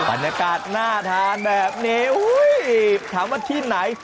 บรรยากาศน่าทานแบบนี้ถามว่าที่ไหน